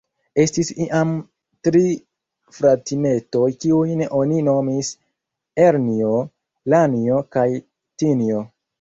Estis iam tri fratinetoj, kiujn oni nomis Elnjo, Lanjo, kaj Tinjo.